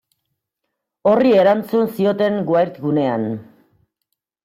Horri erantzun zioten Wired gunean.